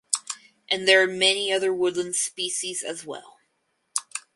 And there are many other woodland species as well.